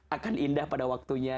akan indah pada waktunya